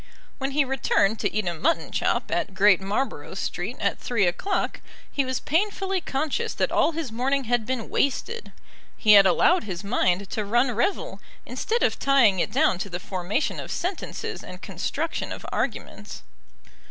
When he returned to eat a mutton chop at Great Marlborough Street at three o'clock he was painfully conscious that all his morning had been wasted. He had allowed his mind to run revel, instead of tying it down to the formation of sentences and construction of arguments.